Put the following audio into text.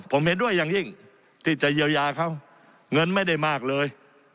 ผมเห็นด้วยอย่างยิ่งที่จะเยียวยาเขาเงินไม่ได้มากเลย